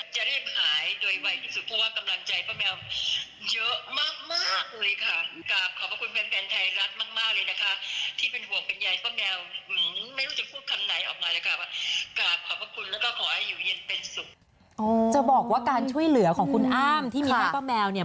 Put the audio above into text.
จะบอกว่าการช่วยเหลือของคุณอ้ามที่มีให้ป้าแมวเนี่ย